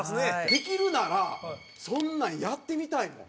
できるならそんなんやってみたいもん。